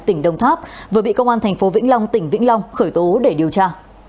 tỉnh đồng tháp vừa bị công an tp vĩnh long tỉnh vĩnh long khởi tố để điều tra